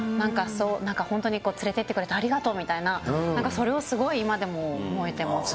なんか、本当に連れてってくれてありがとうみたいな、なんかそれをすごい今でも覚えてますね。